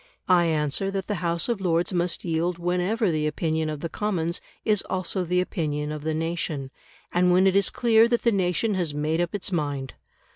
I answer that the House of Lords must yield whenever the opinion of the Commons is also the opinion of the nation, and when it is clear that the nation has made up its mind.